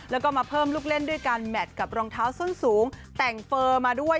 แล้วก็มาเพิ่มลูกเล่นด้วยการแมทกับรองเท้าส้นสูงแต่งเฟอร์มาด้วย